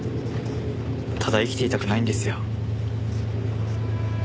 ただ生きていたくないんですよ。